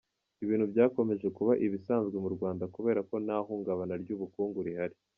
Ibintu byakomeje kuba ibisanzwe mu Rwanda kubera ko nta hungabana ry’ubukungu rihari.